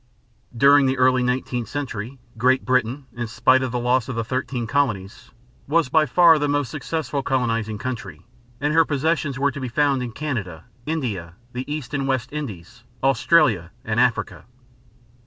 During the early nineteenth century, Great Britain, in spite of the loss of the thirteen colonies, was by far the most successful colonizing country, and her possessions were to be found in Canada, India, the East and West Indies, Australia, and Africa.